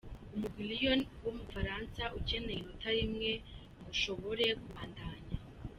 Umugwi Lyon wo mu Bufaransa ukeneye inota rimwe ngo ushobore kubandanya.